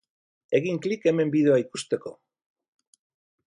Egin klik hemen bideoa ikusteko!